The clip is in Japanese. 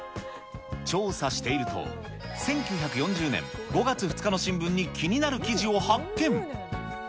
調査していると、１９４０年５月２日の新聞に気になる記事を発見。